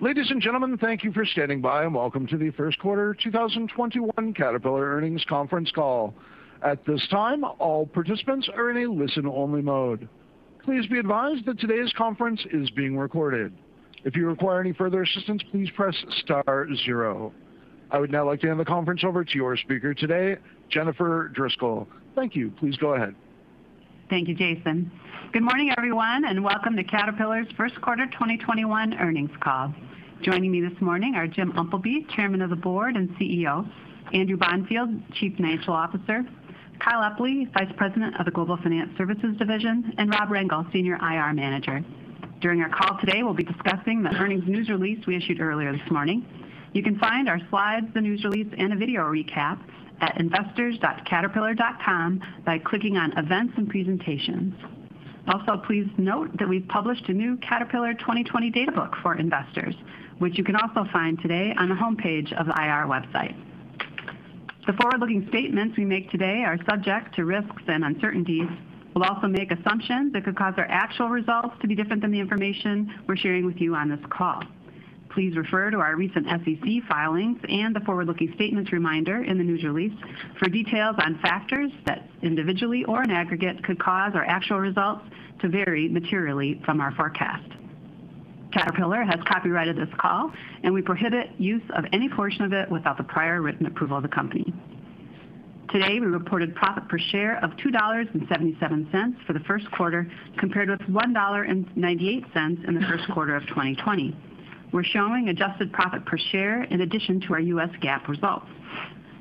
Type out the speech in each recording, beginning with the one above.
Ladies and gentlemen, thank you for standing by, welcome to the first quarter 2021 Caterpillar earnings conference call. At this time, all participants are in a listen-only mode. Please be advised that today's conference is being recorded. I would now like to hand the conference over to your speaker today, Jennifer Driscoll. Thank you. Please go ahead. Thank you, Jason. Good morning, everyone, and welcome to Caterpillar's first quarter 2021 earnings call. Joining me this morning are Jim Umpleby, Chairman of the Board and CEO, Andrew Bonfield, Chief Financial Officer, Kyle Epley, Vice President of the Global Finance Services Division, and Rob Rengel, Senior IR Manager. During our call today, we'll be discussing the earnings news release we issued earlier this morning. You can find our slides, the news release, and a video recap at investors.caterpillar.com by clicking on Events and Presentations. Also, please note that we've published a new Caterpillar 2020 Databook for investors, which you can also find today on the homepage of the IR website. The forward-looking statements we make today are subject to risks and uncertainties. We'll also make assumptions that could cause our actual results to be different than the information we're sharing with you on this call. Please refer to our recent SEC filings and the forward-looking statements reminder in the news release for details on factors that individually or in aggregate could cause our actual results to vary materially from our forecast. Caterpillar has copyrighted this call, and we prohibit use of any portion of it without the prior written approval of the company. Today, we reported profit per share of $2.77 for the first quarter, compared with $1.98 in the first quarter of 2020. We're showing adjusted profit per share in addition to our U.S. GAAP results.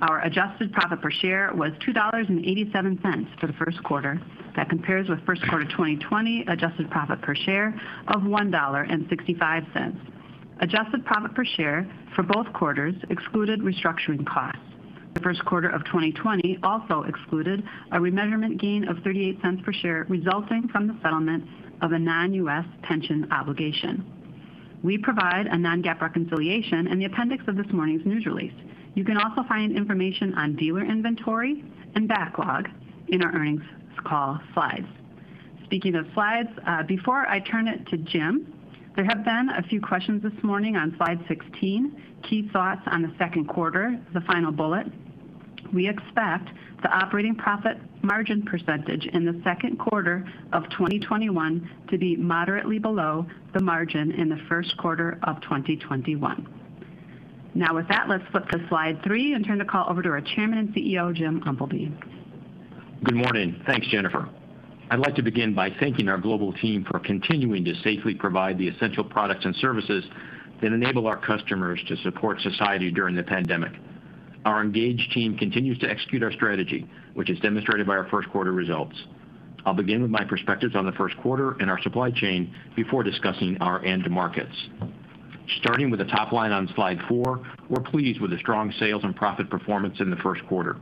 Our adjusted profit per share was $2.87 for the first quarter. That compares with first quarter 2020 adjusted profit per share of $1.65. Adjusted profit per share for both quarters excluded restructuring costs. The first quarter of 2020 also excluded a remeasurement gain of $0.38 per share resulting from the settlement of a non-U.S. pension obligation. We provide a non-GAAP reconciliation in the appendix of this morning's news release. You can also find information on dealer inventory and backlog in our earnings call slides. Speaking of slides, before I turn it to Jim, there have been a few questions this morning on slide 16, key thoughts on the second quarter, the final bullet. We expect the operating profit margin percentage in the second quarter of 2021 to be moderately below the margin in the first quarter of 2021. Now with that, let's flip to slide three and turn the call over to our Chairman and CEO, Jim Umpleby. Good morning. Thanks, Jennifer. I'd like to begin by thanking our global team for continuing to safely provide the essential products and services that enable our customers to support society during the pandemic. Our engaged team continues to execute our strategy, which is demonstrated by our first quarter results. I'll begin with my perspectives on the first quarter and our supply chain before discussing our end markets. Starting with the top line on slide four, we're pleased with the strong sales and profit performance in the first quarter.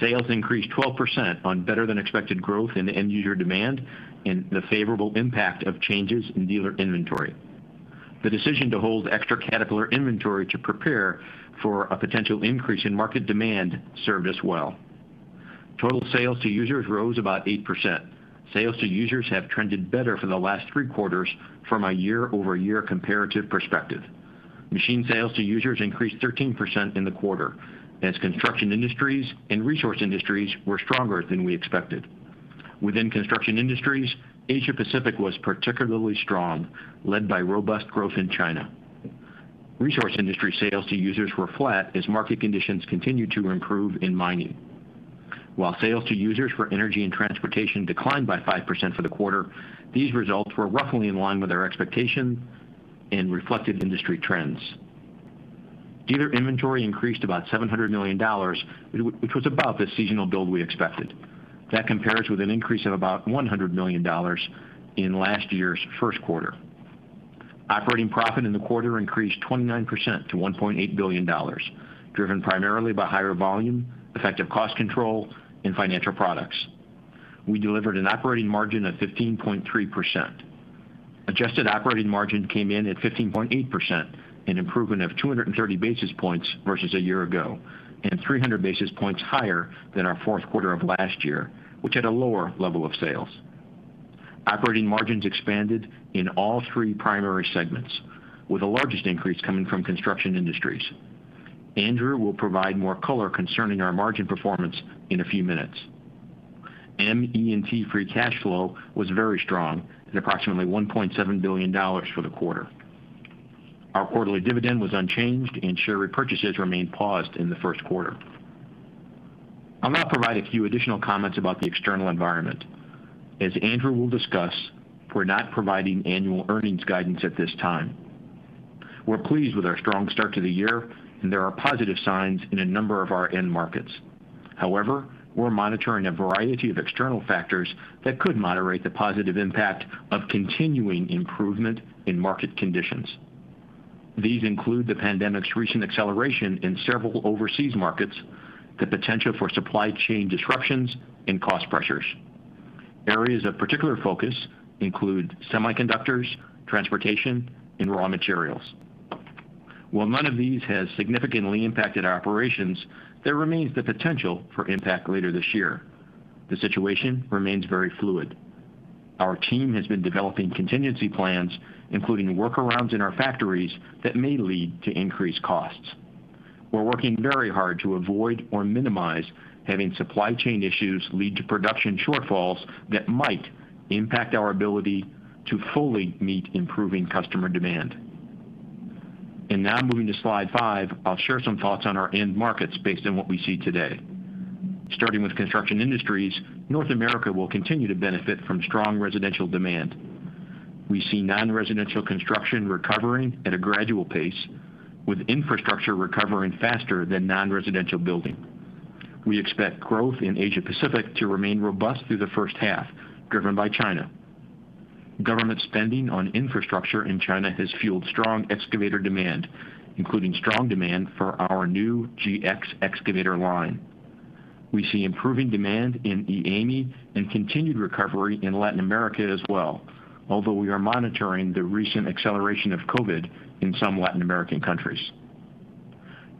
Sales increased 12% on better-than-expected growth in end-user demand and the favorable impact of changes in dealer inventory. The decision to hold extra Caterpillar inventory to prepare for a potential increase in market demand served us well. Total sales to users rose about 8%. Sales to users have trended better for the last three quarters from a year-over-year comparative perspective. Machine sales to users increased 13% in the quarter as Construction Industries and Resource Industries were stronger than we expected. Within Construction Industries, Asia Pacific was particularly strong, led by robust growth in China. Resource industry sales to users were flat as market conditions continued to improve in mining. While sales to users for Energy and Transportation declined by 5% for the quarter, these results were roughly in line with our expectations and reflected industry trends. Dealer inventory increased about $700 million, which was about the seasonal build we expected. That compares with an increase of about $100 million in last year's first quarter. Operating profit in the quarter increased 29% to $1.8 billion, driven primarily by higher volume, effective cost control, and financial products. We delivered an operating margin of 15.3%. Adjusted operating margin came in at 15.8%, an improvement of 230 basis points versus a year ago, and 300 basis points higher than our fourth quarter of last year, which had a lower level of sales. Operating margins expanded in all three primary segments, with the largest increase coming from Construction Industries. Andrew will provide more color concerning our margin performance in a few minutes. ME&T free cash flow was very strong at approximately $1.7 billion for the quarter. Our quarterly dividend was unchanged, and share repurchases remained paused in the first quarter. I'll now provide a few additional comments about the external environment. As Andrew will discuss, we're not providing annual earnings guidance at this time. We're pleased with our strong start to the year, and there are positive signs in a number of our end markets. However, we're monitoring a variety of external factors that could moderate the positive impact of continuing improvement in market conditions. These include the pandemic's recent acceleration in several overseas markets, the potential for supply chain disruptions, and cost pressures. Areas of particular focus include semiconductors, transportation, and raw materials. While none of these has significantly impacted our operations, there remains the potential for impact later this year. The situation remains very fluid. Our team has been developing contingency plans, including workarounds in our factories that may lead to increased costs. We're working very hard to avoid or minimize having supply chain issues lead to production shortfalls that might impact our ability to fully meet improving customer demand. Now moving to slide five, I'll share some thoughts on our end markets based on what we see today. Starting with Construction Industries, North America will continue to benefit from strong residential demand. We see non-residential construction recovering at a gradual pace, with infrastructure recovering faster than non-residential building. We expect growth in Asia Pacific to remain robust through the first half, driven by China. Government spending on infrastructure in China has fueled strong excavator demand, including strong demand for our new GX excavator line. We see improving demand in EAME and continued recovery in Latin America as well, although we are monitoring the recent acceleration of COVID in some Latin American countries.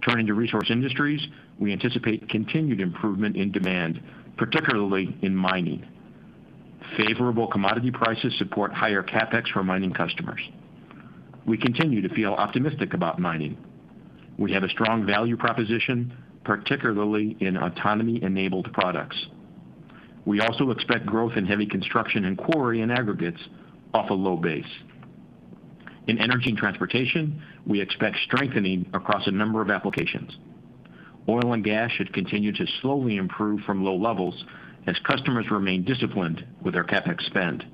Turning to Resource Industries, we anticipate continued improvement in demand, particularly in mining. Favorable commodity prices support higher CapEx for mining customers. We continue to feel optimistic about mining. We have a strong value proposition, particularly in autonomy-enabled products. We also expect growth in heavy construction and quarry and aggregates off a low base. In Energy & Transportation, we expect strengthening across a number of applications. Oil and gas should continue to slowly improve from low levels as customers remain disciplined with their CapEx spend.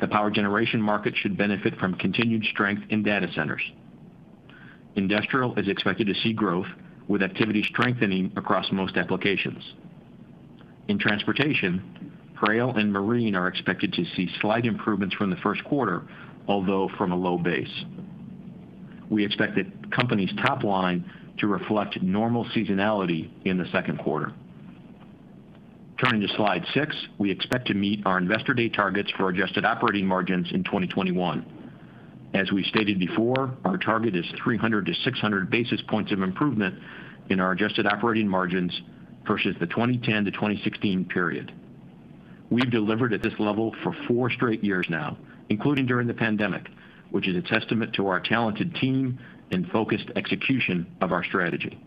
The power generation market should benefit from continued strength in data centers. Industrial is expected to see growth, with activity strengthening across most applications. In transportation, rail and marine are expected to see slight improvements from the first quarter, although from a low base. We expect the company's top line to reflect normal seasonality in the second quarter. Turning to slide six, we expect to meet our Investor Day targets for adjusted operating margins in 2021. As we stated before, our target is 300-600 basis points of improvement in our adjusted operating margins versus the 2010-2016 period. We've delivered at this level for four straight years now, including during the pandemic, which is a testament to our talented team and focused execution of our strategy.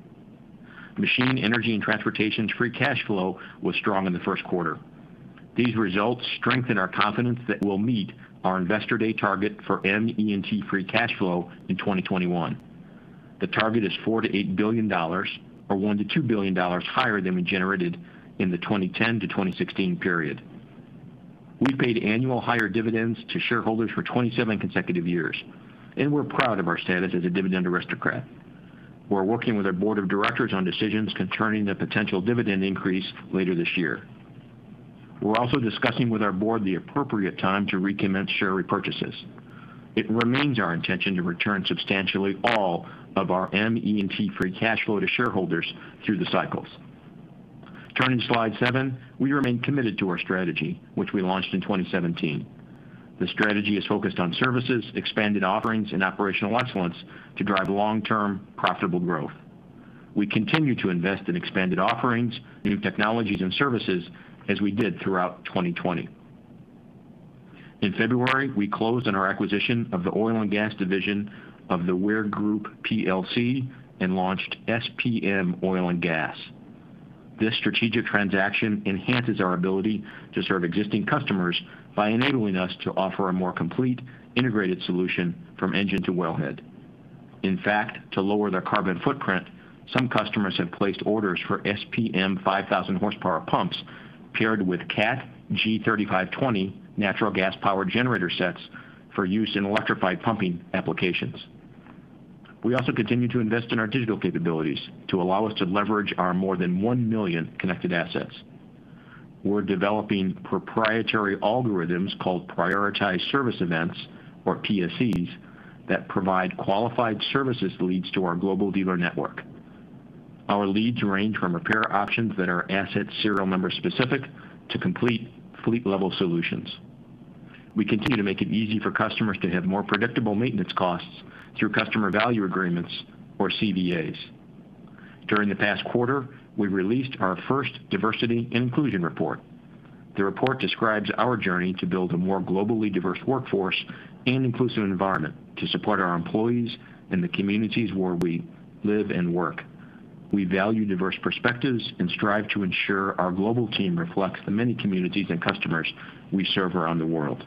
Machinery, Energy & Transportation's free cash flow was strong in the first quarter. These results strengthen our confidence that we'll meet our Investor Day target for ME&T free cash flow in 2021. The target is $4 billion-$8 billion or $1 billion-$2 billion higher than we generated in the 2010 to 2016 period. We've paid annual higher dividends to shareholders for 27 consecutive years, and we're proud of our status as a Dividend Aristocrat. We're working with our board of directors on decisions concerning the potential dividend increase later this year. We're also discussing with our board the appropriate time to recommence share repurchases. It remains our intention to return substantially all of our ME&T free cash flow to shareholders through the cycles. Turning to slide seven, we remain committed to our strategy, which we launched in 2017. The strategy is focused on services, expanded offerings, and operational excellence to drive long-term profitable growth. We continue to invest in expanded offerings, new technologies, and services as we did throughout 2020. In February, we closed on our acquisition of the oil and gas division of The Weir Group PLC and launched SPM Oil & Gas. This strategic transaction enhances our ability to serve existing customers by enabling us to offer a more complete, integrated solution from engine to wellhead. In fact, to lower their carbon footprint, some customers have placed orders for SPM 5,000 horsepower pumps paired with Cat G3520 natural gas power generator sets for use in electrified pumping applications. We also continue to invest in our digital capabilities to allow us to leverage our more than 1 million connected assets. We're developing proprietary algorithms called Prioritized Service Events, or PSEs, that provide qualified services leads to our global dealer network. Our leads range from repair options that are asset serial number specific to complete fleet-level solutions. We continue to make it easy for customers to have more predictable maintenance costs through Customer Value Agreements, or CVAs. During the past quarter, we released our first diversity inclusion report. The report describes our journey to build a more globally diverse workforce and inclusive environment to support our employees in the communities where we live and work. We value diverse perspectives and strive to ensure our global team reflects the many communities and customers we serve around the world.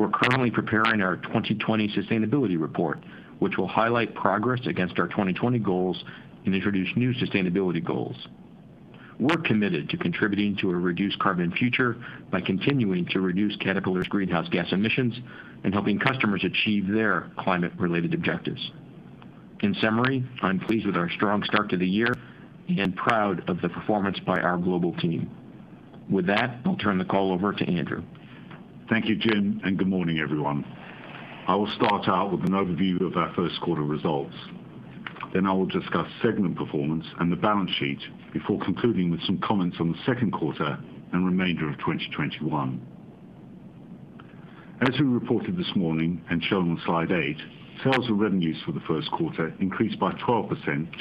We're currently preparing our 2020 sustainability report, which will highlight progress against our 2020 goals and introduce new sustainability goals. We're committed to contributing to a reduced carbon future by continuing to reduce Caterpillar's greenhouse gas emissions and helping customers achieve their climate-related objectives. In summary, I'm pleased with our strong start to the year and proud of the performance by our global team. With that, I'll turn the call over to Andrew. Thank you, Jim. Good morning, everyone. I will start out with an overview of our first quarter results. I will discuss segment performance and the balance sheet before concluding with some comments on the second quarter and remainder of 2021. As we reported this morning and shown on slide eight, sales and revenues for the first quarter increased by 12%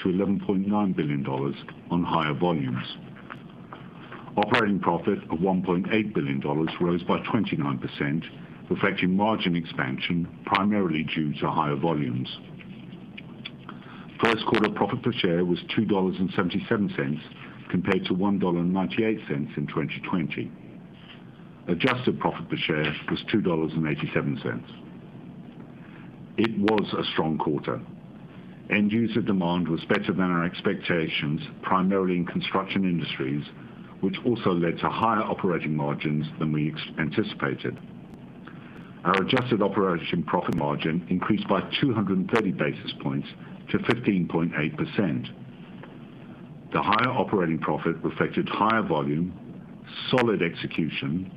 to $11.9 billion on higher volumes. Operating profit of $1.8 billion rose by 29%, reflecting margin expansion primarily due to higher volumes. First quarter profit per share was $2.77 compared to $1.98 in 2020. Adjusted profit per share was $2.87. It was a strong quarter. End user demand was better than our expectations, primarily in Construction Industries, which also led to higher operating margins than we anticipated. Our adjusted operating profit margin increased by 230 basis points to 15.8%. The higher operating profit reflected higher volume, solid execution,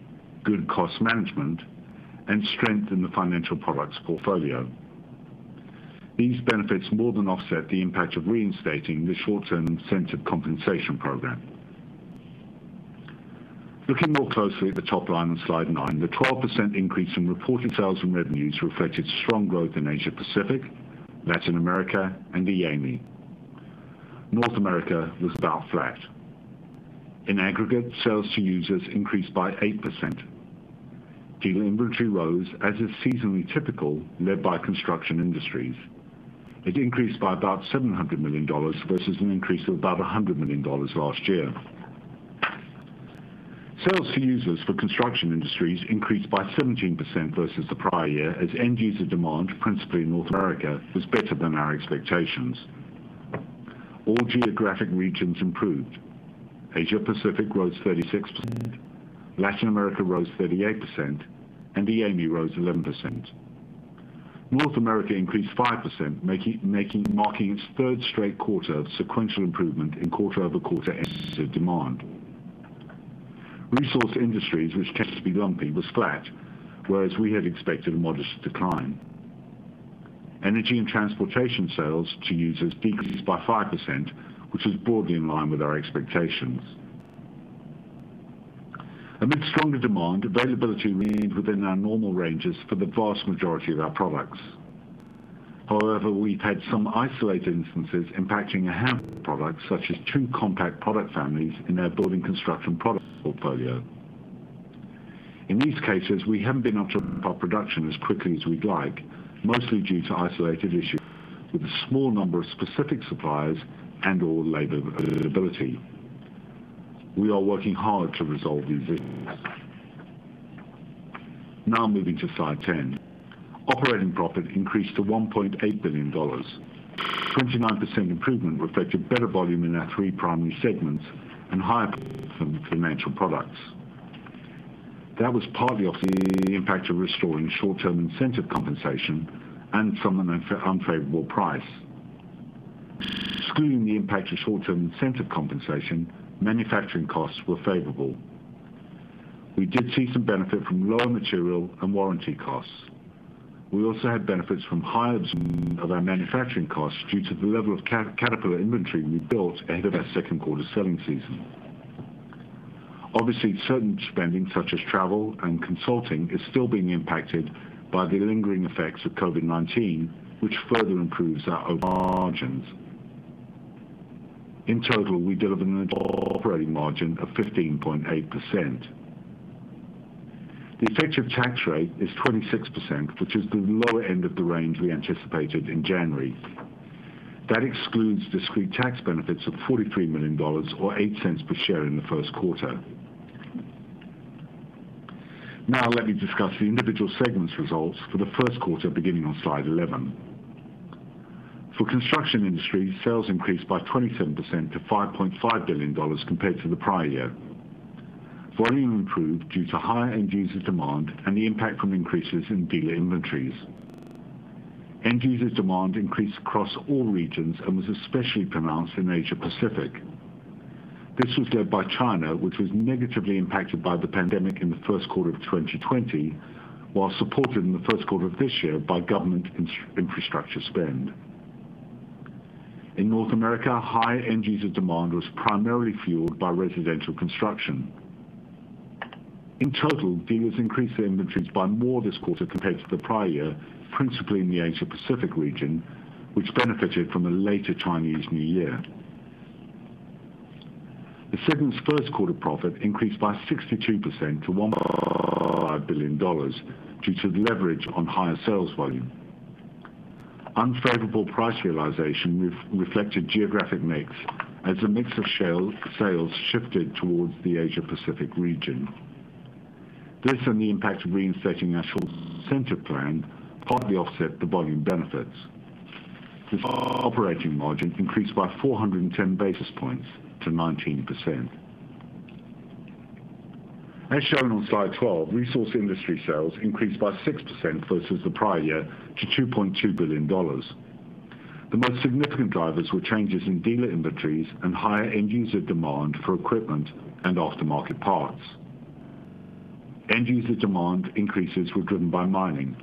good cost management, and strength in the financial products portfolio. These benefits more than offset the impact of reinstating the short-term incentive compensation program. Looking more closely at the top line on slide nine, the 12% increase in reported sales and revenues reflected strong growth in Asia Pacific, Latin America, and EAME. North America was about flat. In aggregate, sales to users increased by 8%. Dealer inventory rose as is seasonally typical, led by Construction Industries. It increased by about $700 million versus an increase of about $100 million last year. Sales to users for Construction Industries increased by 17% versus the prior year as end user demand, principally in North America, was better than our expectations. All geographic regions improved. Asia Pacific rose 36%, Latin America rose 38%, and EAME rose 11%. North America increased 5%, marking its third straight quarter of sequential improvement in quarter-over-quarter end user demand. Resource Industries, which tends to be lumpy, was flat, whereas we had expected a modest decline. Energy & Transportation sales to users decreased by 5%, which was broadly in line with our expectations. Amid stronger demand, availability remained within our normal ranges for the vast majority of our products. However, we've had some isolated instances impacting a handful of products, such as two compact product families in our building construction product portfolio. In these cases, we haven't been able to ramp up production as quickly as we'd like, mostly due to isolated issues with a small number of specific suppliers and/or labor availability. We are working hard to resolve these issues. Moving to slide 10. Operating profit increased to $1.8 billion. 29% improvement reflected better volume in our three primary segments and higher profit from financial products. That was partly offsetting the impact of restoring short-term incentive compensation and from an unfavorable price. Excluding the impact of short-term incentive compensation, manufacturing costs were favorable. We did see some benefit from lower material and warranty costs. We also had benefits from higher absorption of our manufacturing costs due to the level of Caterpillar inventory we built ahead of our second quarter selling season. Obviously, certain spending such as travel and consulting, is still being impacted by the lingering effects of COVID-19, which further improves our overall margins. In total, we delivered an overall operating margin of 15.8%. The effective tax rate is 26%, which is the lower end of the range we anticipated in January. That excludes discrete tax benefits of $43 million or $0.08 per share in the first quarter. Now, let me discuss the individual segments results for the first quarter beginning on slide 11. For Construction Industries, sales increased by 27% to $5.5 billion compared to the prior year. Volume improved due to higher end user demand and the impact from increases in dealer inventories. End user demand increased across all regions and was especially pronounced in Asia Pacific. This was led by China, which was negatively impacted by the pandemic in the first quarter of 2020, while supported in the first quarter of this year by government infrastructure spend. In North America, high end user demand was primarily fueled by residential construction. In total, dealers increased their inventories by more this quarter compared to the prior year, principally in the Asia Pacific region, which benefited from a later Chinese New Year. The segment's first quarter profit increased by 62% to $1 billion due to the leverage on higher sales volume. Unfavorable price realization reflected geographic mix as a mix of sales shifted towards the Asia Pacific region. This and the impact of reinstating our short-term incentive plan partly offset the volume benefits. The operating margin increased by 410 basis points to 19%. As shown on slide 12, Resource Industry sales increased by 6% versus the prior year to $2.2 billion. The most significant drivers were changes in dealer inventories and higher end user demand for equipment and aftermarket parts. End user demand increases were driven by mining.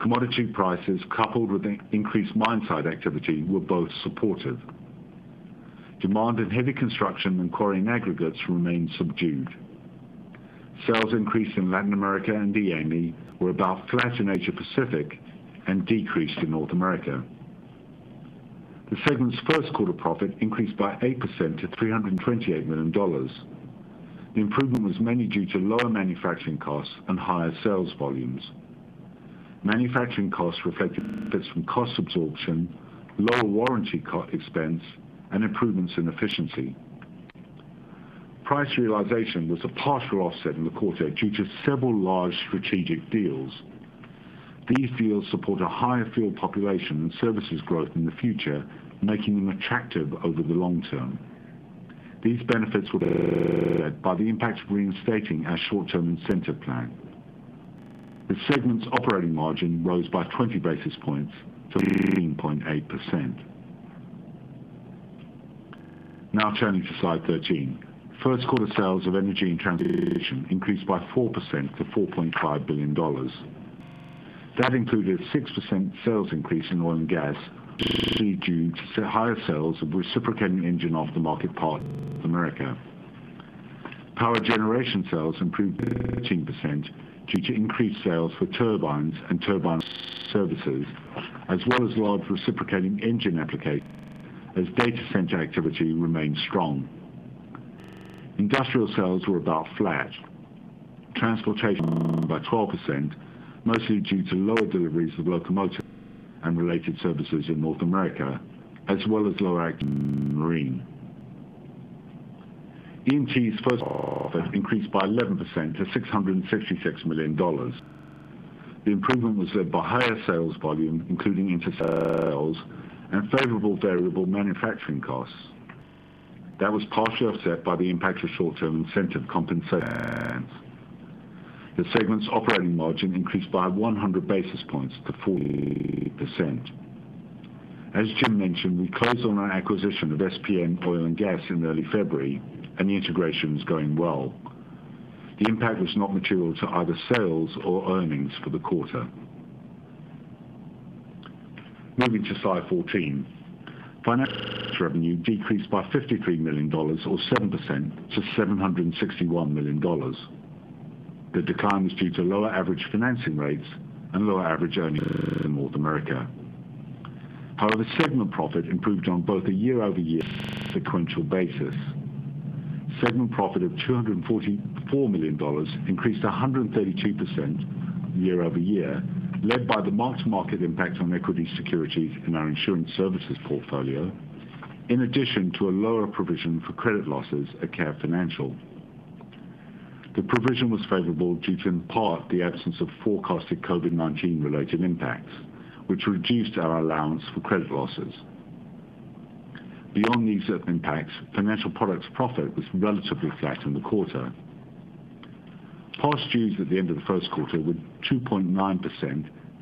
Commodity prices, coupled with increased mine site activity, were both supportive. Demand in heavy construction and quarry and aggregates remained subdued. Sales increased in Latin America and EAME, were about flat in Asia Pacific, and decreased in North America. The segment's first quarter profit increased by 8% to $328 million. The improvement was mainly due to lower manufacturing costs and higher sales volumes. Manufacturing costs reflected benefits from cost absorption, lower warranty expense, and improvements in efficiency. Price realization was a partial offset in the quarter due to several large strategic deals. These deals support a higher field population and services growth in the future, making them attractive over the long-term. These benefits were offset by the impact of reinstating our short-term incentive plan. The segment's operating margin rose by 20 basis points to 18.8%. Now turning to slide 13. First quarter sales of Energy & Transportation increased by 4% to $4.5 billion. That included a 6% sales increase in oil and gas, mostly due to higher sales of reciprocating engine aftermarket in North America. Power generation sales improved 13% due to increased sales for turbines and turbine services, as well as large reciprocating engine applications as data center activity remained strong. Industrial sales were about flat. Transportation by 12%, mostly due to lower deliveries of locomotives and related services in North America, as well as lower in marine. E&T's profit increased by 11% to $666 million. The improvement was led by higher sales volume, including intercompany sales and favorable variable manufacturing costs. That was partially offset by the impact of short-term incentive compensation. The segment's operating margin increased by 100 basis points to 40%. Jim mentioned, we closed on our acquisition of SPM Oil & Gas in early February, and the integration is going well. The impact was not material to either sales or earnings for the quarter. Moving to slide 14. Financial revenue decreased by $53 million or 7% to $761 million. The decline was due to lower average financing rates and lower average earnings in North America. However, segment profit improved on both a year-over-year and sequential basis. Segment profit of $244 million increased 132% year-over-year, led by the mark-to-market impact on equity securities in our insurance services portfolio, in addition to a lower provision for credit losses at Cat Financial. The provision was favorable due to, in part, the absence of forecasted COVID-19-related impacts, which reduced our allowance for credit losses. Beyond these impacts, financial products profit was relatively flat in the quarter. Past dues at the end of the first quarter were 2.9%,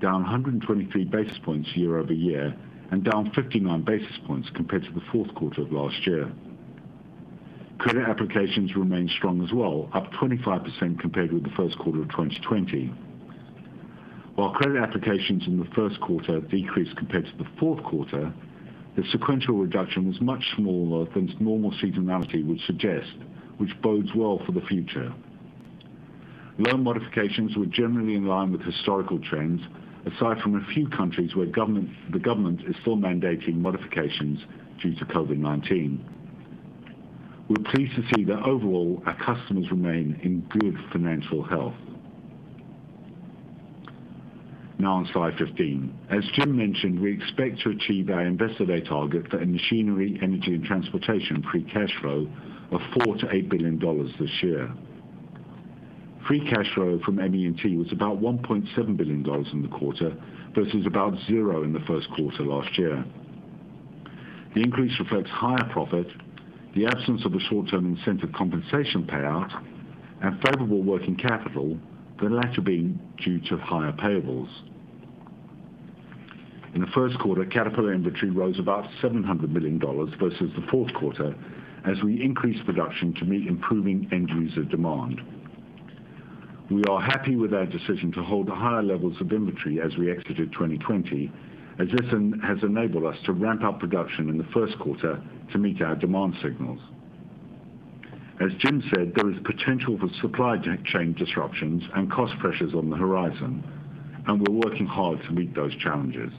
down 123 basis points year-over-year, and down 59 basis points compared to the fourth quarter of last year. Credit applications remained strong as well, up 25% compared with the first quarter of 2020. While credit applications in the first quarter decreased compared to the fourth quarter, the sequential reduction was much smaller than normal seasonality would suggest, which bodes well for the future. Loan modifications were generally in line with historical trends, aside from a few countries where the government is still mandating modifications due to COVID-19. We're pleased to see that overall, our customers remain in good financial health. Now on slide 15. As Jim mentioned, we expect to achieve our Investor Day target for machinery, energy, and transportation free cash flow of $4 billion-$8 billion this year. Free cash flow from ME&T was about $1.7 billion in the quarter, versus about zero in the first quarter last year. The increase reflects higher profit, the absence of a short-term incentive compensation payout, and favorable working capital, the latter being due to higher payables. In the first quarter, Caterpillar inventory rose about $700 million versus the fourth quarter as we increased production to meet improving end user demand. We are happy with our decision to hold higher levels of inventory as we exited 2020, as this has enabled us to ramp up production in the first quarter to meet our demand signals. As Jim said, there is potential for supply chain disruptions and cost pressures on the horizon, and we're working hard to meet those challenges.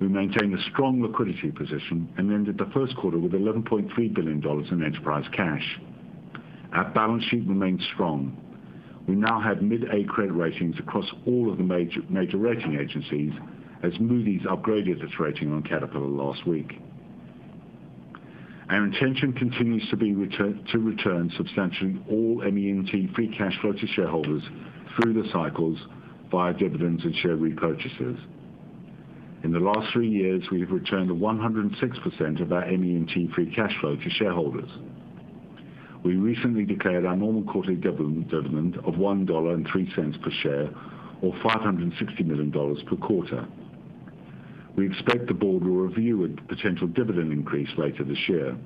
We maintain a strong liquidity position and ended the first quarter with $11.3 billion in enterprise cash. Our balance sheet remains strong. We now have mid-A credit ratings across all of the major rating agencies, as Moody's upgraded its rating on Caterpillar last week. Our intention continues to return substantially all ME&T free cash flow to shareholders through the cycles via dividends and share repurchases. In the last three years, we have returned 106% of our ME&T free cash flow to shareholders. We recently declared our normal quarterly dividend of $1.03 per share, or $560 million per quarter. We expect the board will review a potential dividend increase later this year.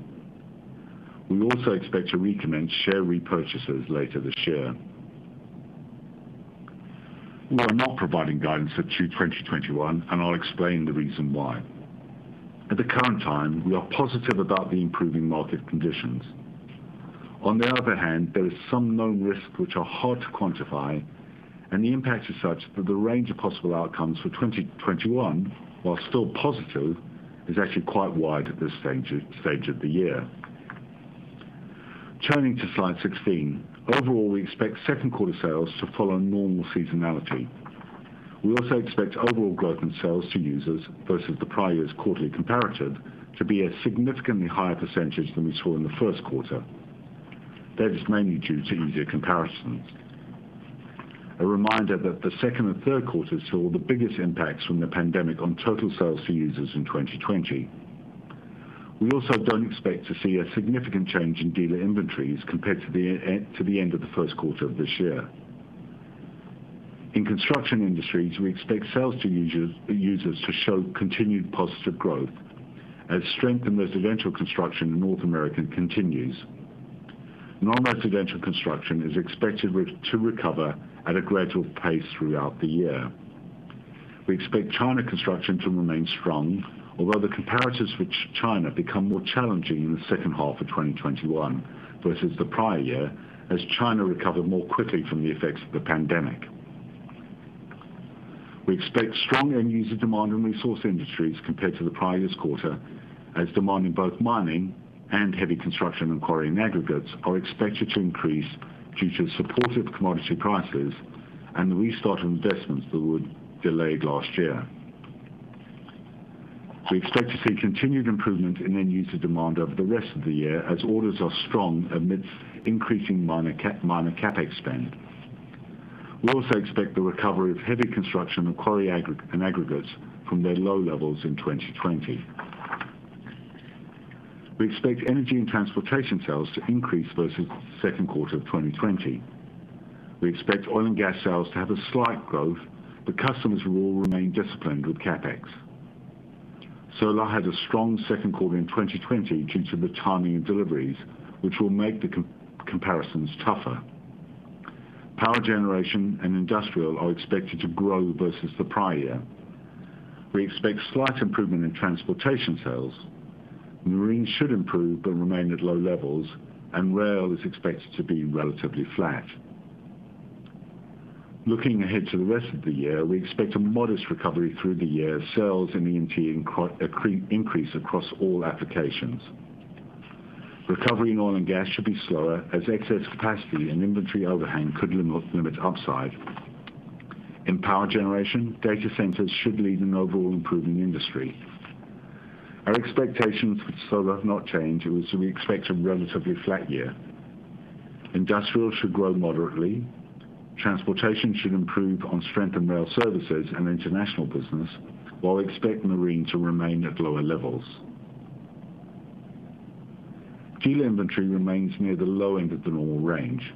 We also expect to recommence share repurchases later this year. We are not providing guidance for Q2 2021, and I'll explain the reason why. At the current time, we are positive about the improving market conditions. On the other hand, there is some known risks which are hard to quantify, and the impact is such that the range of possible outcomes for 2021, while still positive, is actually quite wide at this stage of the year. Turning to slide 16. Overall, we expect second quarter sales to follow normal seasonality. We also expect overall growth in sales to users versus the prior year's quarterly comparative to be a significantly higher percentage than we saw in the first quarter. That is mainly due to easier comparisons. A reminder that the second and third quarters saw the biggest impacts from the pandemic on total sales to users in 2020. We also don't expect to see a significant change in dealer inventories compared to the end of the first quarter of this year. In Construction Industries, we expect sales to users to show continued positive growth as strength in residential construction in North America continues. Non-residential construction is expected to recover at a gradual pace throughout the year. We expect China construction to remain strong, although the comparatives for China become more challenging in the second half of 2021 versus the prior year, as China recovered more quickly from the effects of the pandemic. We expect strong end user demand in Resource Industries compared to the prior year's quarter, as demand in both mining and heavy construction and quarry and aggregates are expected to increase due to supportive commodity prices and the restart of investments that were delayed last year. We expect to see continued improvement in end user demand over the rest of the year as orders are strong amidst increasing mining CapEx spend. We also expect the recovery of heavy construction and quarry and aggregates from their low levels in 2020. We expect energy and transportation sales to increase versus the second quarter of 2020. We expect oil and gas sales to have a slight growth, but customers will all remain disciplined with CapEx. Solar had a strong second quarter in 2020 due to the timing of deliveries, which will make the comparisons tougher. Power generation and industrial are expected to grow versus the prior year. We expect slight improvement in transportation sales. Marine should improve but remain at low levels, and rail is expected to be relatively flat. Looking ahead to the rest of the year, we expect a modest recovery through the year. Sales in E&T increase across all applications. Recovery in oil and gas should be slower, as excess capacity and inventory overhang could limit upside. In power generation, data centers should lead an overall improving industry. Our expectations for solar have not changed, as we expect a relatively flat year. Industrial should grow moderately. Transportation should improve on strength in rail services and international business, while we expect marine to remain at lower levels. Dealer inventory remains near the low end of the normal range.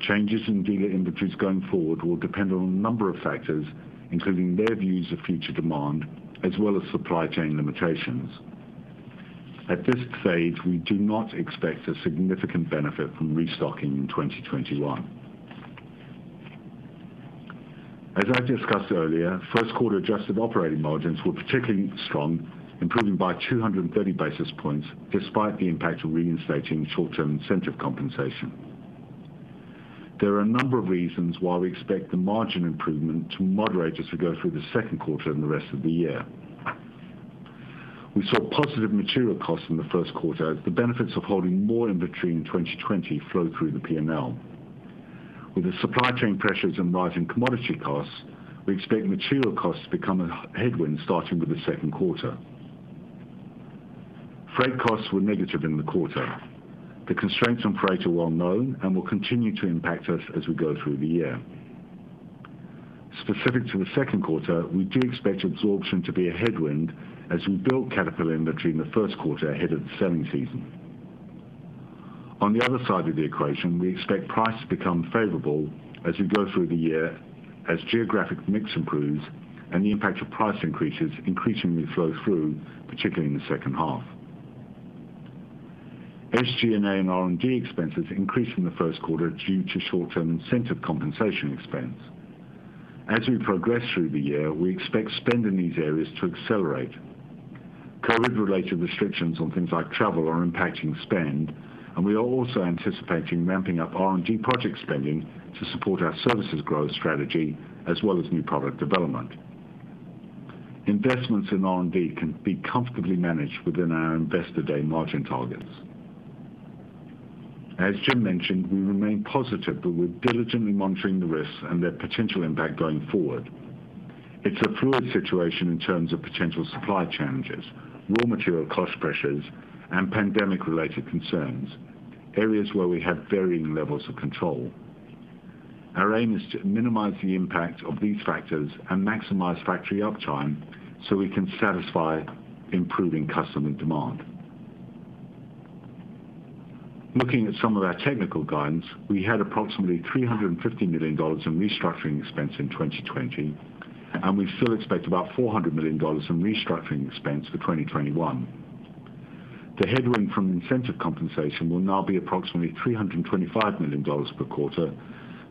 Changes in dealer inventories going forward will depend on a number of factors, including their views of future demand as well as supply chain limitations. At this stage, we do not expect a significant benefit from restocking in 2021. As I discussed earlier, first quarter adjusted operating margins were particularly strong, improving by 230 basis points despite the impact of reinstating short-term incentive compensation. There are a number of reasons why we expect the margin improvement to moderate as we go through the second quarter and the rest of the year. We saw positive material costs in the first quarter as the benefits of holding more inventory in 2020 flow through the P&L. With the supply chain pressures and rising commodity costs, we expect material costs to become a headwind starting with the second quarter. Freight costs were negative in the quarter. The constraints on freight are well-known and will continue to impact us as we go through the year. Specific to the second quarter, we do expect absorption to be a headwind as we build Caterpillar inventory in the first quarter ahead of the selling season. On the other side of the equation, we expect prices to become favorable as we go through the year, as geographic mix improves and the impact of price increases increasingly flow through, particularly in the second half. SG&A and R&D expenses increased in the first quarter due to short-term incentive compensation expense. As we progress through the year, we expect spend in these areas to accelerate. COVID-related restrictions on things like travel are impacting spend, and we are also anticipating ramping up R&D project spending to support our services growth strategy, as well as new product development. Investments in R&D can be comfortably managed within our Investor Day margin targets. As Jim mentioned, we remain positive, but we're diligently monitoring the risks and their potential impact going forward. It's a fluid situation in terms of potential supply challenges, raw material cost pressures, and pandemic-related concerns, areas where we have varying levels of control. Our aim is to minimize the impact of these factors and maximize factory uptime so we can satisfy improving customer demand. Looking at some of our technical guidance, we had approximately $350 million in restructuring expense in 2020, and we still expect about $400 million in restructuring expense for 2021. The headwind from incentive compensation will now be approximately $325 million per quarter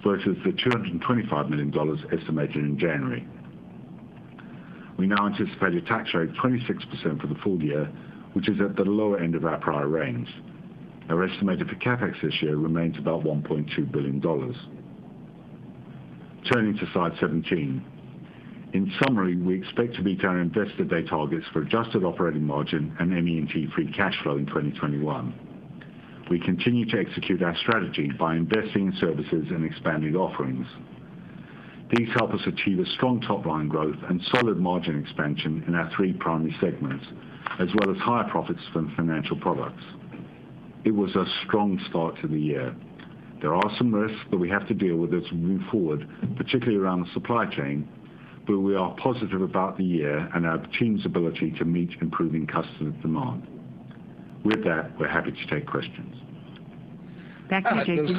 versus the $225 million estimated in January. We now anticipate a tax rate 26% for the full-year, which is at the lower end of our prior range. Our estimate for CapEx this year remains about $1.2 billion. Turning to slide 17. In summary, we expect to meet our Investor Day targets for adjusted operating margin and MEMG free cash flow in 2021. We continue to execute our strategy by investing in services and expanding offerings. These help us achieve a strong top-line growth and solid margin expansion in our three primary segments, as well as higher profits from financial products. It was a strong start to the year. There are some risks that we have to deal with as we move forward, particularly around the supply chain, but we are positive about the year and our team's ability to meet improving customer demand. With that, we're happy to take questions. Back to Jacob.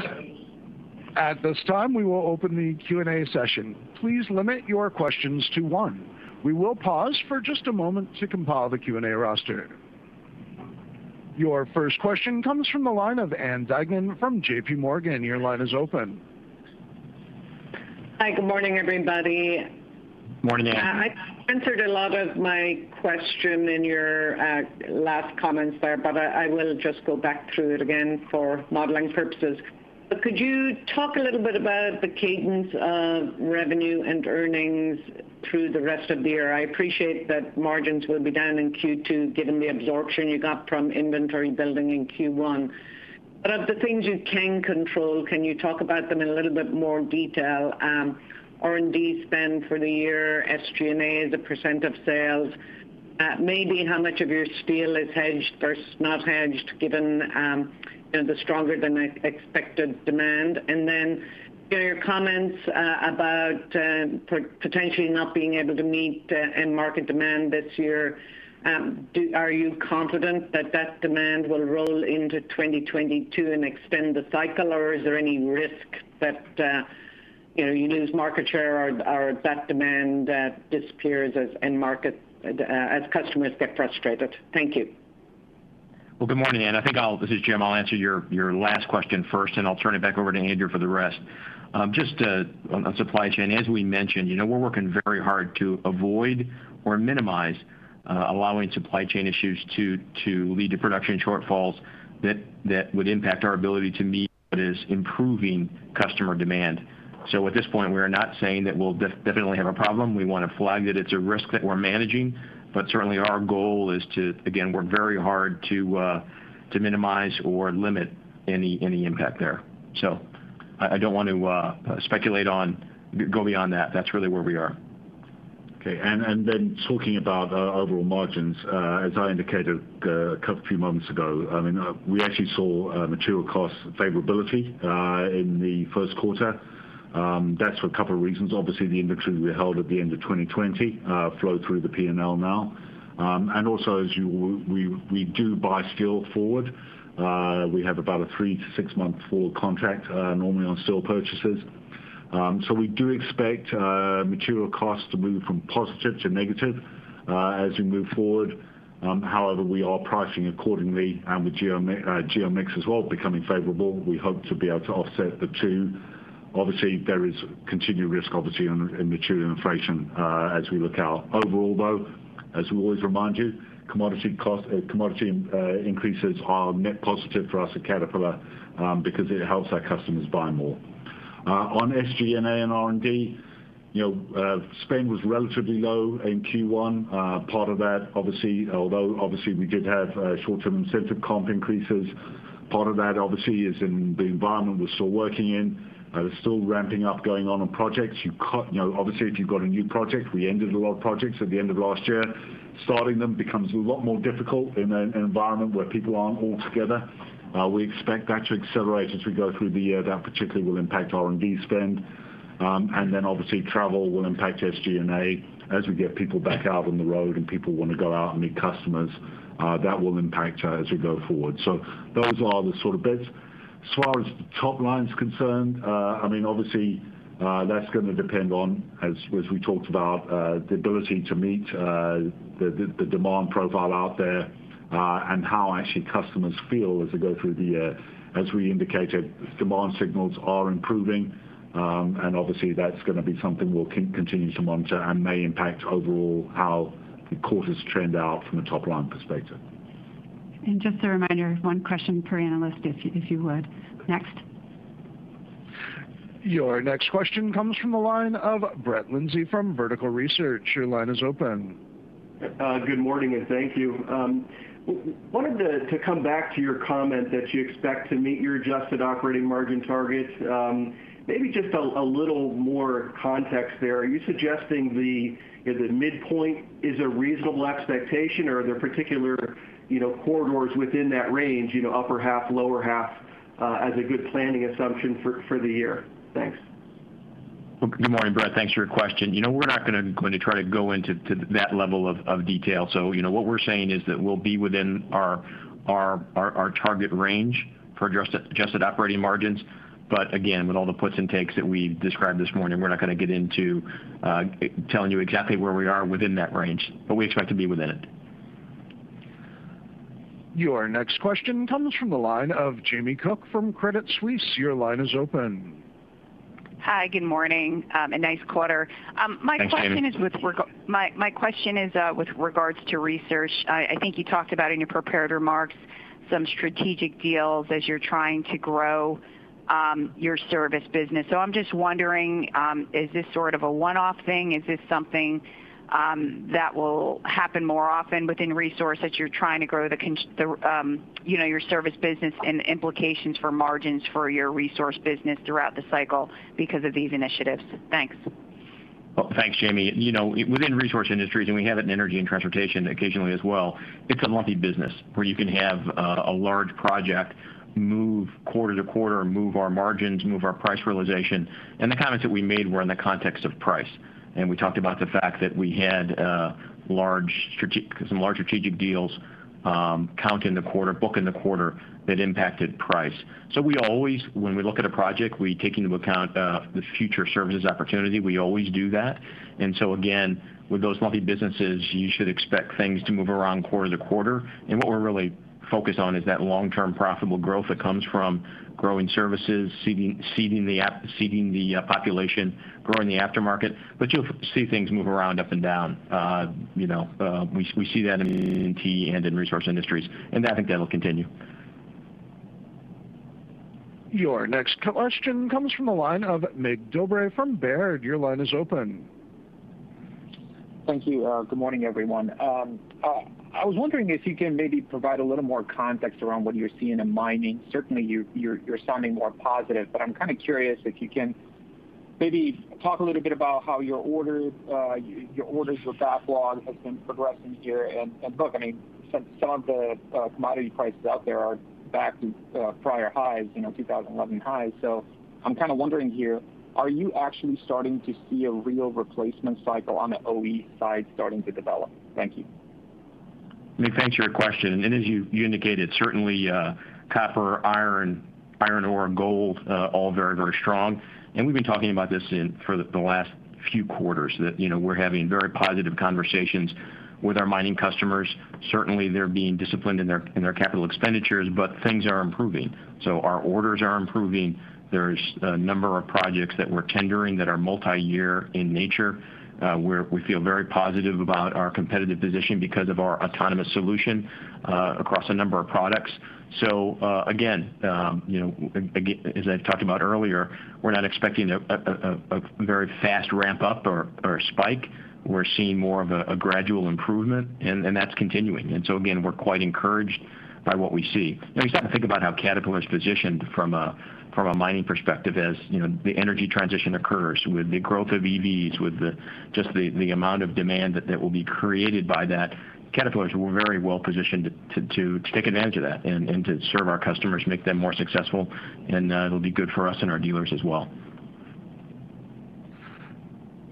At this time, we will open the Q&A session. Please limit your questions to one. We will pause for just a moment to compile the Q&A roster. Your first question comes from the line of Ann Duignan from JPMorgan. Your line is open. Hi, good morning, everybody. Morning, Ann. You answered a lot of my question in your last comments there, but I will just go back through it again for modeling purposes. Could you talk a little bit about the cadence of revenue and earnings through the rest of the year? I appreciate that margins will be down in Q2, given the absorption you got from inventory building in Q1. Of the things you can control, can you talk about them in a little bit more detail? R&D spend for the year, SG&A as a percentage of sales. Maybe how much of your steel is hedged versus not hedged, given the stronger than expected demand. Your comments about potentially not being able to meet end market demand this year, are you confident that demand will roll into 2022 and extend the cycle, or is there any risk that you lose market share or that demand disappears as customers get frustrated? Thank you. Well, good morning, Ann. This is Jim. I'll answer your last question first, and I'll turn it back over to Andrew for the rest. Just on supply chain, as we mentioned, we're working very hard to avoid or minimize allowing supply chain issues to lead to production shortfalls that would impact our ability to meet what is improving customer demand. At this point, we're not saying that we'll definitely have a problem. We want to flag that it's a risk that we're managing, but certainly our goal is to, again, work very hard to minimize or limit any impact there. I don't want to speculate on going beyond that. That's really where we are. Okay. talking about overall margins, as I indicated a few moments ago, we actually saw material cost favorability in the first quarter. That's for a couple of reasons. Obviously, the inventory we held at the end of 2020 flow through the P&L now. we do buy steel forward. We have about a three to six-month forward contract normally on steel purchases. we do expect material costs to move from positive to negative as we move forward. However, we are pricing accordingly, and with geo mix as well becoming favorable, we hope to be able to offset the two. Obviously, there is continued risk in material inflation as we look out. Overall, though, as we always remind you, commodity increases are net positive for us at Caterpillar because it helps our customers buy more. On SG&A and R&D, spend was relatively low in Q1. Although obviously we did have short-term incentive comp increases, part of that obviously is in the environment we're still working in. There's still ramping up going on projects. Obviously, if you've got a new project, we ended a lot of projects at the end of last year. Starting them becomes a lot more difficult in an environment where people aren't all together. We expect that to accelerate as we go through the year. That particularly will impact R&D spend. obviously travel will impact SG&A as we get people back out on the road and people want to go out and meet customers. That will impact as we go forward. those are the sort of bits. As far as the top line's concerned, obviously, that's going to depend on, as we talked about, the ability to meet the demand profile out there and how actually customers feel as we go through the year. As we indicated, demand signals are improving, and obviously that's going to be something we'll continue to monitor and may impact overall how the quarters trend out from a top-line perspective. just a reminder, one question per analyst, if you would. Next. Your next question comes from the line of Brett Linzey from Vertical Research. Your line is open. Good morning, and thank you. Wanted to come back to your comment that you expect to meet your adjusted operating margin targets. Maybe just a little more context there. Are you suggesting the midpoint is a reasonable expectation or are there particular corridors within that range, upper half, lower half, as a good planning assumption for the year? Thanks. Good morning, Brett. Thanks for your question. We're not going to try to go into that level of detail. What we're saying is that we'll be within our target range for adjusted operating margins. Again, with all the puts and takes that we've described this morning, we're not going to get into telling you exactly where we are within that range, but we expect to be within it. Your next question comes from the line of Jamie Cook from Credit Suisse. Your line is open. Hi, good morning. A nice quarter. Thanks, Jamie. My question is with regards to research. I think you talked about in your prepared remarks some strategic deals as you're trying to grow your service business. I'm just wondering, is this sort of a one-off thing? Is this something that will happen more often within Resource as you're trying to grow your service business, and the implications for margins for your Resource business throughout the cycle because of these initiatives? Thanks. Well, thanks, Jamie. Within Resource Industries, and we have it in Energy and Transportation occasionally as well, it's a lumpy business where you can have a large project move quarter to quarter, move our margins, move our price realization. The comments that we made were in the context of price. We talked about the fact that we had some large strategic deals count in the quarter, book in the quarter, that impacted price. We always, when we look at a project, we take into account the future services opportunity. We always do that. Again, with those lumpy businesses, you should expect things to move around quarter to quarter. What we're really focused on is that long-term profitable growth that comes from growing services, seeding the population, growing the aftermarket. You'll see things move around up and down. We see that in T and in Resource Industries, and I think that'll continue. Your next question comes from the line of Mircea Dobre from Baird. Your line is open. Thank you. Good morning, everyone. I was wondering if you can maybe provide a little more context around what you're seeing in mining. Certainly, you're sounding more positive, but I'm kind of curious if you can maybe talk a little bit about how your orders, your backlog has been progressing here. Look, I mean, some of the commodity prices out there are back to prior highs, 2011 highs. I'm kind of wondering here, are you actually starting to see a real replacement cycle on the OE side starting to develop? Thank you. Mircea Dobre, thanks for your question. As you indicated, certainly copper, iron ore, gold all very, very strong. We've been talking about this for the last few quarters, that we're having very positive conversations with our mining customers. Certainly, they're being disciplined in their capital expenditures, but things are improving. Our orders are improving. There's a number of projects that we're tendering that are multi-year in nature, where we feel very positive about our competitive position because of our autonomous solution across a number of products. Again, as I've talked about earlier, we're not expecting a very fast ramp-up or a spike. We're seeing more of a gradual improvement, and that's continuing. Again, we're quite encouraged by what we see. You start to think about how Caterpillar's positioned from a mining perspective as the energy transition occurs with the growth of EVs, with just the amount of demand that will be created by that. Caterpillar's very well positioned to take advantage of that and to serve our customers, make them more successful, and it'll be good for us and our dealers as well.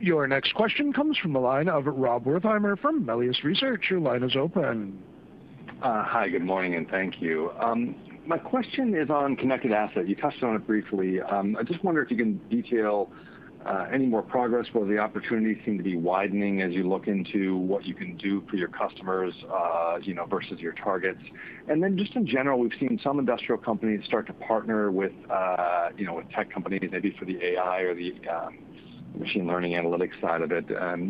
Your next question comes from the line of Rob Wertheimer from Melius Research. Your line is open. Hi, good morning, and thank you. My question is on connected assets. You touched on it briefly. I just wonder if you can detail any more progress, whether the opportunities seem to be widening as you look into what you can do for your customers versus your targets. Just in general, we've seen some industrial companies start to partner with tech companies, maybe for the AI or the machine learning analytics side of it.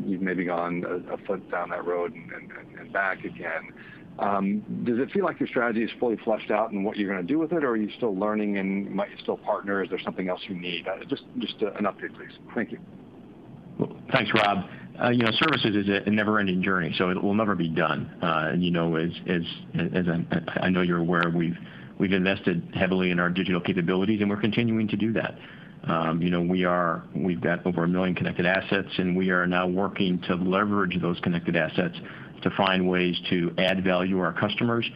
You've maybe gone a foot down that road and back again. Does it feel like your strategy is fully fleshed out in what you're going to do with it, or are you still learning and might you still partner? Is there something else you need? Just an update, please. Thank you. Thanks, Rob. Services is a never-ending journey, so it will never be done. As I know you're aware, we've invested heavily in our digital capabilities, and we're continuing to do that. We've got over a million connected assets, and we are now working to leverage those connected assets to find ways to add value to our customers.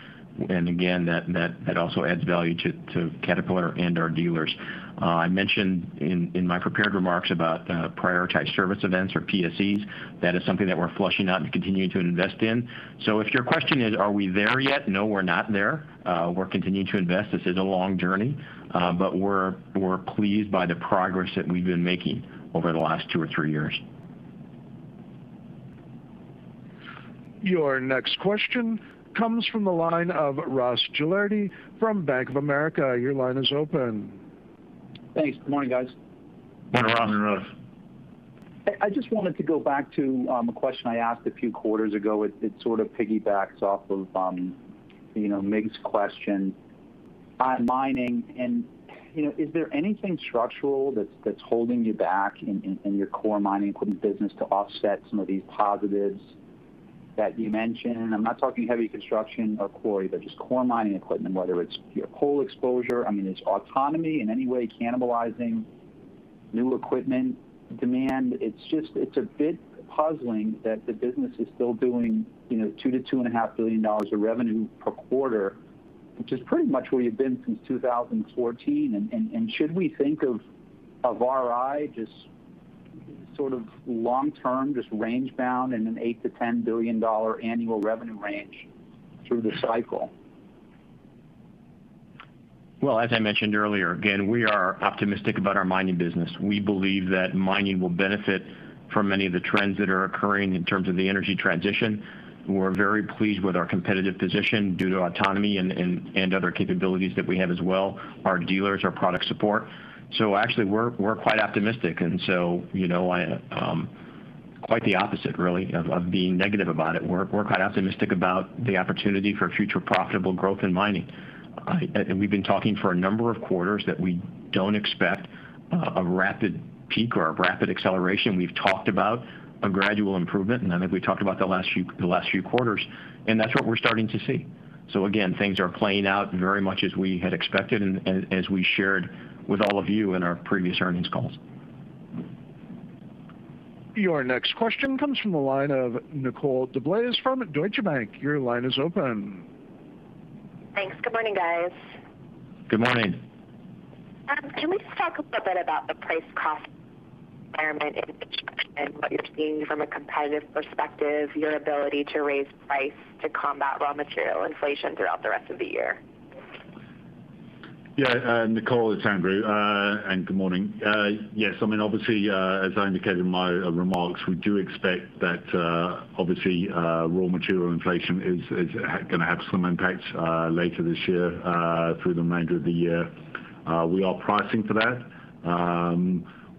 Again, that also adds value to Caterpillar and our dealers. I mentioned in my prepared remarks about Prioritized Service Events or PSEs. That is something that we're fleshing out and continuing to invest in. If your question is, are we there yet? No, we're not there. We're continuing to invest. This is a long journey. We're pleased by the progress that we've been making over the last two or three years. Your next question comes from the line of Ross Gilardi from Bank of America. Your line is open. Thanks. Good morning, guys. Morning, Ross. I just wanted to go back to a question I asked a few quarters ago. It sort of piggybacks off of Mig's question on mining. Is there anything structural that's holding you back in your core mining equipment business to offset some of these positives that you mentioned? I'm not talking heavy construction or quarry, but just core mining equipment, whether it's your coal exposure. I mean, is autonomy in any way cannibalizing new equipment demand? It's a bit puzzling that the business is still doing $2 billion-$2.5 billion of revenue per quarter, which is pretty much where you've been since 2014. Should we think of RI just sort of long-term, just range bound in an $8 billion-$10 billion annual revenue range through the cycle? Well, as I mentioned earlier, again, we are optimistic about our mining business. We believe that mining will benefit from many of the trends that are occurring in terms of the energy transition. We're very pleased with our competitive position due to autonomy and other capabilities that we have as well, our dealers, our product support. Actually, we're quite optimistic, and so quite the opposite, really, of being negative about it. We're quite optimistic about the opportunity for future profitable growth in mining. We've been talking for a number of quarters that we don't expect a rapid peak or a rapid acceleration. We've talked about a gradual improvement, and I think we talked about the last few quarters, and that's what we're starting to see. Again, things are playing out very much as we had expected and as we shared with all of you in our previous earnings calls. Your next question comes from the line of Nicole DeBlase from Deutsche Bank. Your line is open. Thanks. Good morning, guys. Good morning. Can we just talk a little bit about the price cost environment in and what you're seeing from a competitive perspective, your ability to raise price to combat raw material inflation throughout the rest of the year? Yeah. Nicole, it's Andrew, and good morning. Yes. Obviously, as I indicated in my remarks, we do expect that obviously, raw material inflation is going to have some impact later this year through the remainder of the year. We are pricing for that.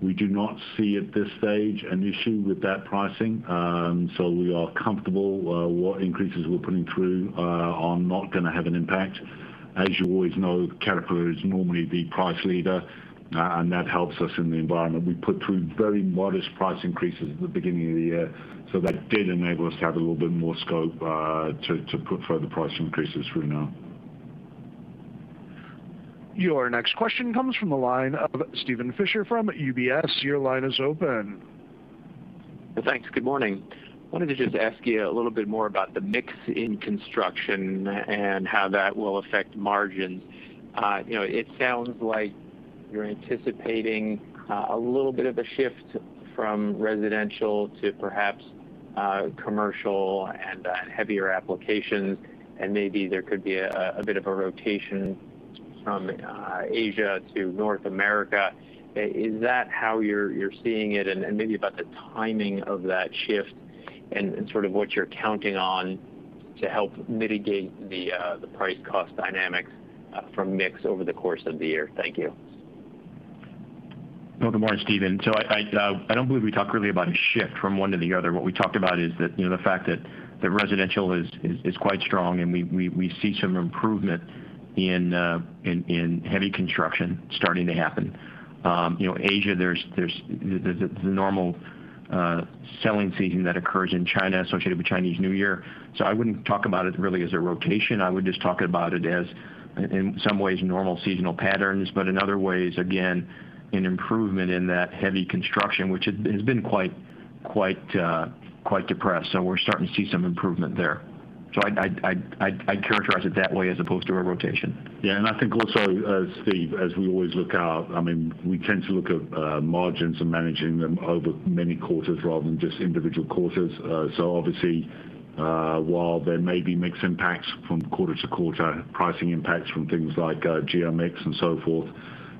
We do not see at this stage an issue with that pricing, so we are comfortable what increases we're putting through are not going to have an impact. As you always know, Caterpillar is normally the price leader, and that helps us in the environment. We put through very modest price increases at the beginning of the year, so that did enable us to have a little bit more scope to put further price increases through now. Your next question comes from the line of Steven Fisher from UBS. Your line is open. Thanks. Good morning. Wanted to just ask you a little bit more about the mix in construction and how that will affect margins. It sounds like you're anticipating a little bit of a shift from residential to perhaps commercial and heavier applications, and maybe there could be a bit of a rotation from Asia to North America. Is that how you're seeing it, and maybe about the timing of that shift and sort of what you're counting on to help mitigate the price cost dynamics from mix over the course of the year? Thank you. Well, good morning, Steven. I don't believe we talked really about a shift from one to the other. What we talked about is the fact that residential is quite strong, and we see some improvement in heavy construction starting to happen. Asia, there's the normal selling season that occurs in China associated with Chinese New Year. I wouldn't talk about it really as a rotation. I would just talk about it as, in some ways, normal seasonal patterns. In other ways, again, an improvement in that heavy construction, which has been quite depressed. We're starting to see some improvement there. I'd characterize it that way as opposed to a rotation. Yeah, I think also, Steve, as we always look out, we tend to look at margins and managing them over many quarters rather than just individual quarters. Obviously, while there may be mixed impacts from quarter to quarter, pricing impacts from things like geo mix and so forth,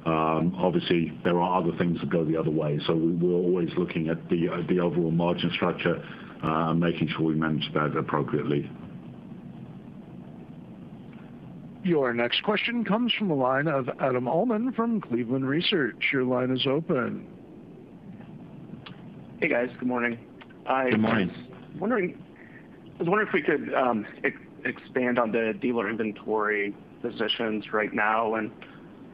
obviously there are other things that go the other way. We're always looking at the overall margin structure, making sure we manage that appropriately. Your next question comes from the line of Adam Alman from Cleveland Research. Your line is open. Hey, guys. Good morning. Good morning. I was wondering if we could expand on the dealer inventory positions right now, and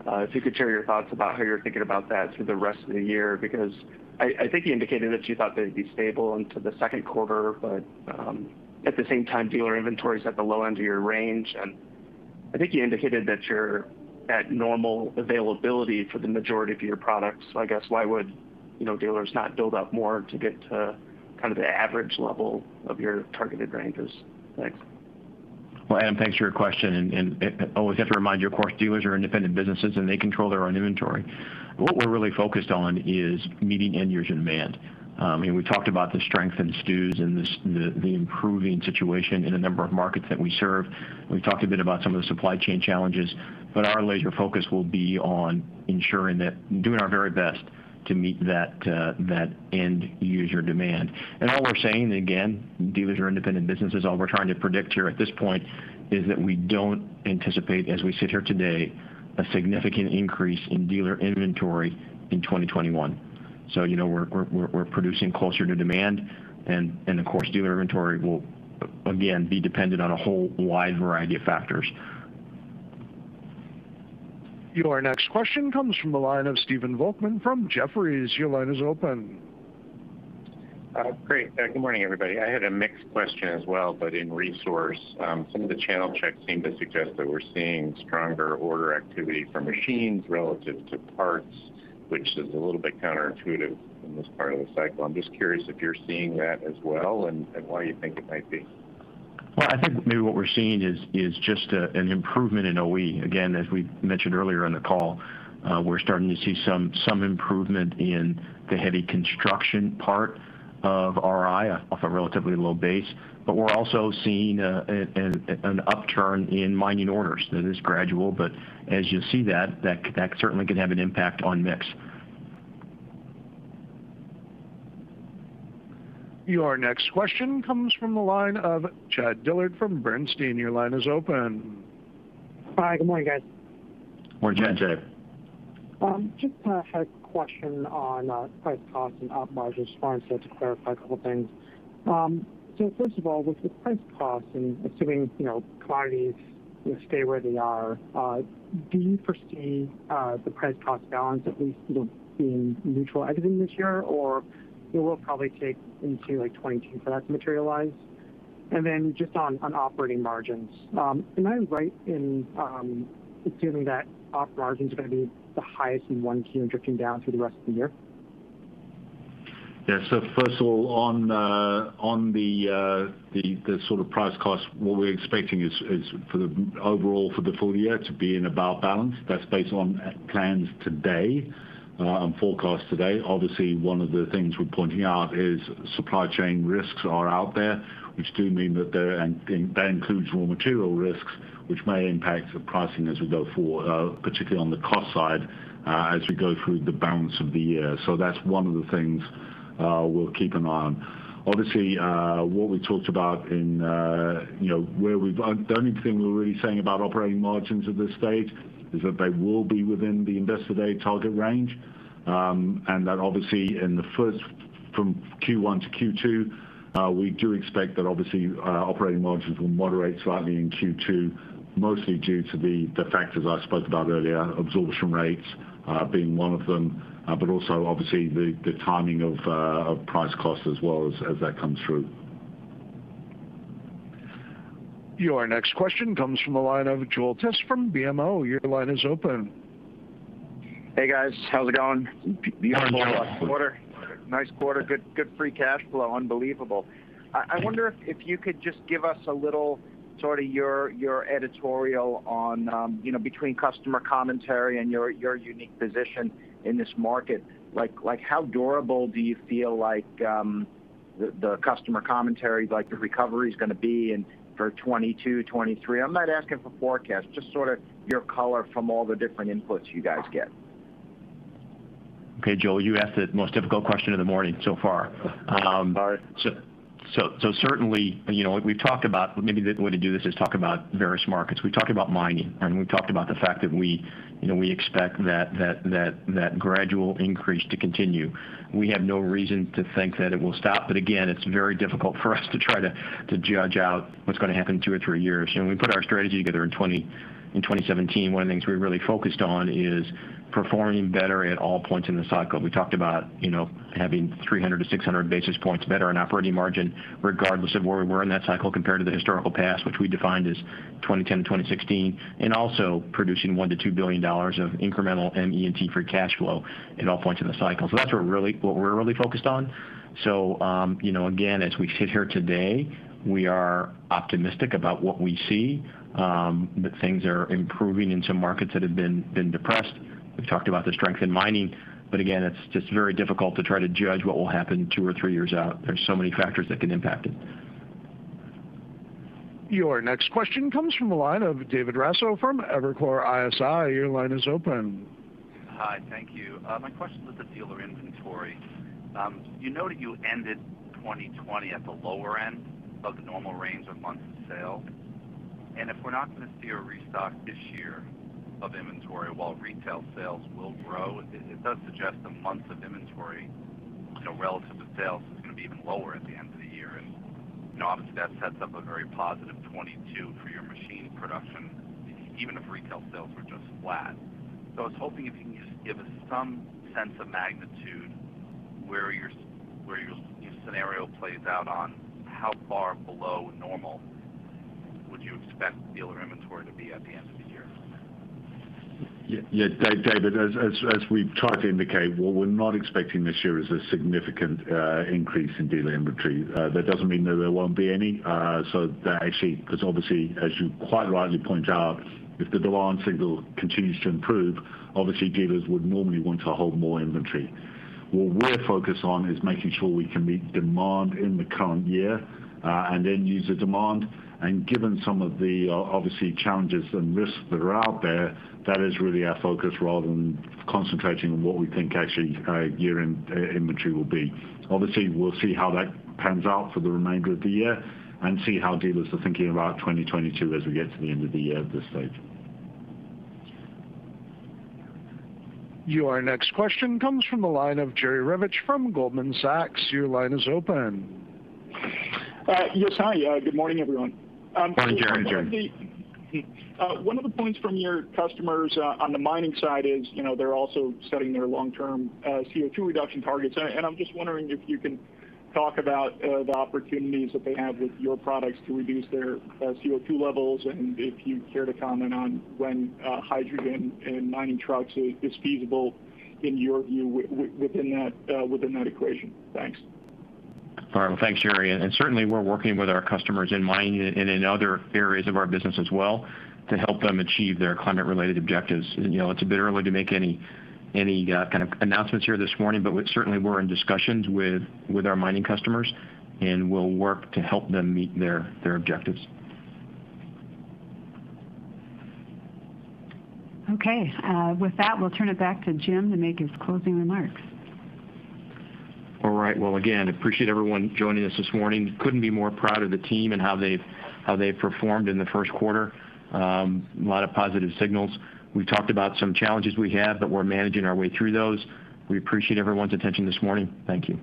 if you could share your thoughts about how you're thinking about that through the rest of the year, because I think you indicated that you thought they'd be stable into the second quarter, but at the same time, dealer inventory is at the low end of your range. I think you indicated that you're at normal availability for the majority of your products. I guess why would dealers not build up more to get to kind of the average level of your targeted ranges? Thanks. Well, Adam, thanks for your question. Always have to remind you, of course, dealers are independent businesses, and they control their own inventory. What we're really focused on is meeting end-user demand. We talked about the strength in STUs and the improving situation in a number of markets that we serve. We've talked a bit about some of the supply chain challenges, but our laser focus will be on ensuring that doing our very best to meet that end user demand. All we're saying, again, dealers are independent businesses. All we're trying to predict here at this point is that we don't anticipate, as we sit here today, a significant increase in dealer inventory in 2021. We're producing closer to demand, and of course, dealer inventory will again be dependent on a whole wide variety of factors. Your next question comes from the line of Stephen Volkmann from Jefferies. Your line is open. Great. Good morning, everybody. I had a mixed question as well, but in resource. Some of the channel checks seem to suggest that we're seeing stronger order activity for machines relative to parts, which is a little bit counterintuitive in this part of the cycle. I'm just curious if you're seeing that as well and why you think it might be. Well, I think maybe what we're seeing is just an improvement in OE. Again, as we mentioned earlier in the call, we're starting to see some improvement in the heavy construction part of RI, off a relatively low base. we're also seeing an upturn in mining orders. It is gradual, but as you see that certainly can have an impact on mix. Your next question comes from the line of Chad Dillard from Bernstein. Your line is open. Hi, good morning, guys. Morning, Chad. Just had a question on price cost and op margins. Wanted to clarify a couple of things. First of all, with the price costs and assuming commodities stay where they are, do you foresee the price cost balance at least being neutral exiting this year? It will probably take into '22 for that to materialize? Just on operating margins, am I right in assuming that op margins are going to be the highest in 1Q and drifting down through the rest of the year? Yeah. First of all, on the price cost, what we're expecting is for the overall for the full-year to be in about balance. That's based on plans today and forecasts today. Obviously, one of the things we're pointing out is supply chain risks are out there, which do mean that there. That includes raw material risks, which may impact the pricing as we go forward, particularly on the cost side, as we go through the balance of the year. That's one of the things we'll keep an eye on. Obviously, the only thing we're really saying about operating margins at this stage is that they will be within the Investor Day target range. That obviously from Q1 -Q2, we do expect that obviously operating margins will moderate slightly in Q2, mostly due to the factors I spoke about earlier, absorption rates being one of them, but also obviously the timing of price cost as well as that comes through. Your next question comes from the line of Joel Tiss from BMO. Your line is open. Hey, guys. How's it going? Beautiful. Nice quarter. Good free cash flow. Unbelievable. I wonder if you could just give us a little sort of your editorial between customer commentary and your unique position in this market. How durable do you feel like the customer commentary, the recovery's going to be and for 2022, 2023? I'm not asking for forecasts, just sort of your color from all the different inputs you guys get. Okay, Joel, you asked the most difficult question of the morning so far. Sorry. Certainly, maybe the way to do this is talk about various markets. We talked about mining, and we talked about the fact that we expect that gradual increase to continue. We have no reason to think that it will stop, but again, it's very difficult for us to try to judge out what's going to happen in two or three years. When we put our strategy together in 2017, one of the things we really focused on is performing better at all points in the cycle. We talked about having 300 to 600 basis points better on operating margin, regardless of where we were in that cycle compared to the historical past, which we defined as 2010 -2016, and also producing $1 billion-$2 billion of incremental ME&T free cash flow at all points in the cycle. That's what we're really focused on. again, as we sit here today, we are optimistic about what we see, that things are improving in some markets that have been depressed. We've talked about the strength in mining, but again, it's just very difficult to try to judge what will happen two or three years out. There's so many factors that can impact it. Your next question comes from the line of David Raso from Evercore ISI. Your line is open. Hi, thank you. My question is the dealer inventory. You noted you ended 2020 at the lower end of the normal range of months of sale. If we're not going to see a restock this year of inventory while retail sales will grow, it does suggest the months of inventory relative to sales is going to be even lower at the end of the year. Obviously that sets up a very positive '22 for your machine production, even if retail sales were just flat. I was hoping if you can just give us some sense of magnitude where your scenario plays out on how far below normal would you expect dealer inventory to be at the end of the year? Yeah. David, as we've tried to indicate, what we're not expecting this year is a significant increase in dealer inventory. That doesn't mean that there won't be any, because obviously as you quite rightly point out, if the demand signal continues to improve, obviously dealers would normally want to hold more inventory. What we're focused on is making sure we can meet demand in the current year, and end user demand, and given some of the obviously challenges and risks that are out there, that is really our focus rather than concentrating on what we think actually year-end inventory will be. Obviously, we'll see how that pans out for the remainder of the year and see how dealers are thinking about 2022 as we get to the end of the year at this stage. Your next question comes from the line of Jerry Revich from Goldman Sachs. Your line is open. Yes. Hi. Good morning, everyone. Morning, Jerry. One of the points from your customers on the mining side is they're also setting their long-term CO2 reduction targets. I'm just wondering if you can talk about the opportunities that they have with your products to reduce their CO2 levels, and if you'd care to comment on when hydrogen in mining trucks is feasible in your view within that equation. Thanks. All right. Well, thanks, Jerry, and certainly we're working with our customers in mining and in other areas of our business as well to help them achieve their climate related objectives. It's a bit early to make any kind of announcements here this morning, but certainly we're in discussions with our mining customers, and we'll work to help them meet their objectives. Okay. With that, we'll turn it back to Jim to make his closing remarks. All right. Well, again, appreciate everyone joining us this morning. Couldn't be more proud of the team and how they've performed in the first quarter. A lot of positive signals. We've talked about some challenges we have, but we're managing our way through those. We appreciate everyone's attention this morning. Thank you.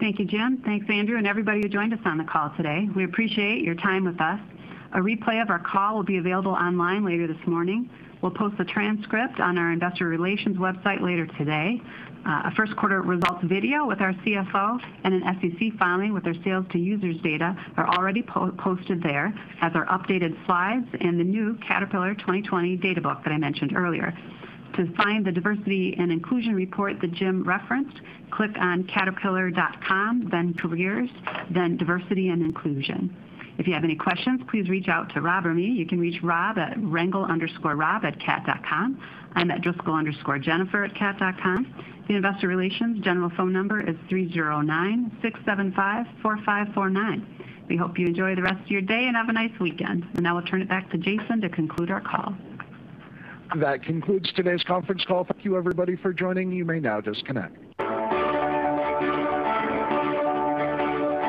Thank you, Jim. Thanks, Andrew, and everybody who joined us on the call today. We appreciate your time with us. A replay of our call will be available online later this morning. We'll post a transcript on our investor relations website later today. A first quarter results video with our CFO and an SEC filing with our sales to users data are already posted there, as are updated slides and the new Caterpillar 2020 data book that I mentioned earlier. To find the diversity and inclusion report that Jim referenced, click on caterpillar.com, then Careers, then Diversity and Inclusion. If you have any questions, please reach out to Rob or me. You can reach Rob at rengel_rob@cat.com. I'm at Driscoll_Jennifer@cat.com. The investor relations general phone number is 309-675-4549. We hope you enjoy the rest of your day and have a nice weekend. Now I'll turn it back to Jason to conclude our call. That concludes today's conference call. Thank you everybody for joining. You may now disconnect.